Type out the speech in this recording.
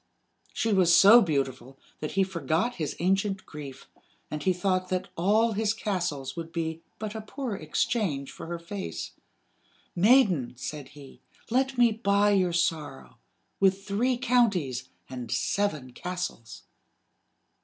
She was so beautiful that he forgot his ancient grief, and he thought that all his castles would be but a poor exchange for her face. "Maiden," said he, "let me buy your sorrow with three counties and seven castles."